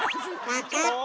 分かった。